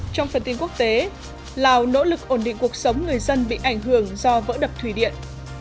trong phần tin quốc tế lào nỗ lực ổn định cuộc sống người dân bị ảnh hưởng do vỡ đập thủy điện